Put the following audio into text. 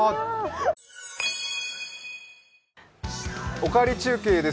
「おかわり中継」です。